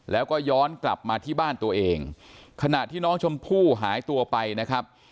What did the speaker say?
แล้วก็ย้อนกลับมาที่บ้านตัวเองขณะที่น้องชมพู่หายตัวไปนะครับ